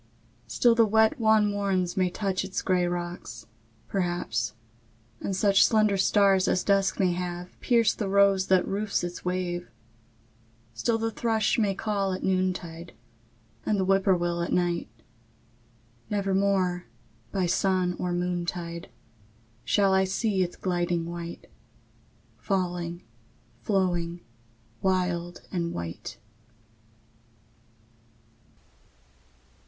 III. Still the wet wan morns may touch Its gray rocks, perhaps; and such Slender stars as dusk may have Pierce the rose that roofs its wave; Still the thrush may call at noontide, And the whippoorwill at night; Nevermore, by sun or moontide, Shall I see it gliding white, Falling, flowing, wild and white.